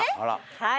はい。